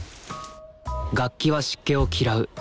楽器は湿気を嫌う。